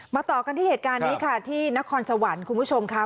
ต่อกันที่เหตุการณ์นี้ค่ะที่นครสวรรค์คุณผู้ชมค่ะ